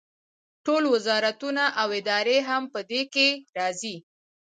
ټول وزارتونه او ادارې هم په دې کې راځي.